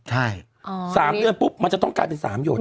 ใช่๓เดือนปุ๊บมันจะต้องกลายเป็น๓หด